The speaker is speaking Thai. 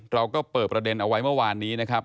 เราก็เปิดประเด็นเอาไว้เมื่อวานนี้นะครับ